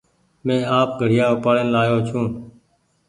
مينٚ آپ گھڙيآ اُپآڙين لآيو ڇوٚنٚ